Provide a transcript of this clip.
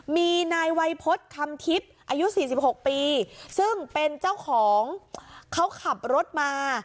มีนายวัยพศคำทิศอายุสี่สิบหกปีซึ่งเป็นเจ้าของเขาขับรถมา